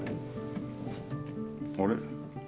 あれ？